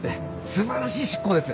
素晴らしい執行です。